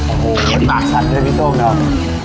โอ้โหปากชันด้วยพี่โต้งครับ